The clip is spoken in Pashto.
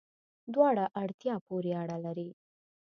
دواړه، اړتیا پوری اړه لری